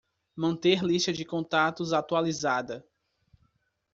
Manter lista de contatos atualizada.